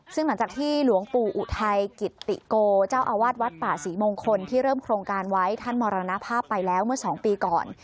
ซึ่งหลังจากที่หลวงปู่อุทัยกิตติโกเจ้าอาวาสวัดป่าศรีมงคลที่เริ่มโครงการไว้ท่านมรณภาพไปแล้วเมื่อ๒ปีก่อน